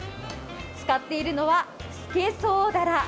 使っているのは、スケソウダラ。